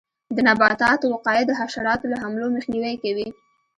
د نباتاتو وقایه د حشراتو له حملو مخنیوی کوي.